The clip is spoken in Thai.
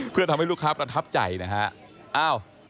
เพื่อทำให้ลูกค้าประทับใจนะฮะ